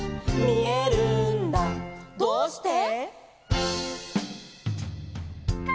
「どうして？」